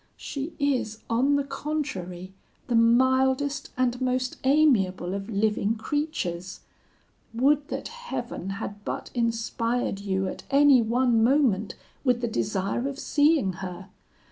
She is, on the contrary, the mildest and most amiable of living creatures; would that Heaven had but inspired you at any one moment with the desire of seeing her!